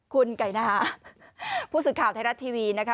คุณไก่นาผู้สื่อข่าวไทยรัฐทีวีนะคะ